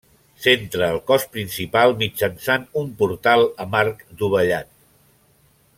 S'entra al cos principal mitjançant un portal amb arc dovellat.